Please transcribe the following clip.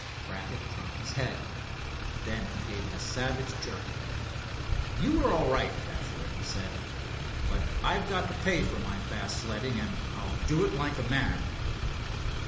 Brackett dropped his head. Then he gave it a savage jerk. "You're all right, Dashaway," he said, "but I've got to pay for my fast sledding, and I'll do it like a man."